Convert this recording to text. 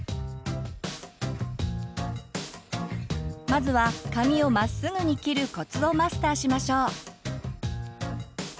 まずは髪をまっすぐに切るコツをマスターしましょう。